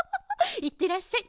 いってらっしゃい。